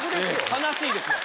悲しいですわ。